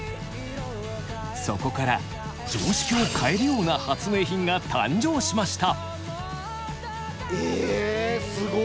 そこから常識を変えるような発明品が誕生しました。